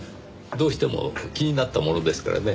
どうしても気になったものですからね。